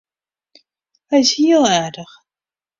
Hy is hiel aardich.